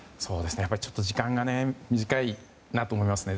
ちょっと時間が短いなと思いましたね。